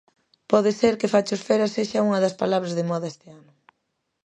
Pode ser que "fachosfera" sexa unha das palabras de moda este ano